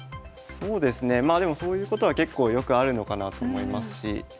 そうですねまあでもそういうことは結構よくあるのかなと思いますし。